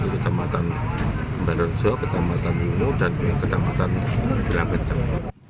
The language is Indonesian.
kecamatan balerjo kecamatan luno dan kecamatan jirang jirang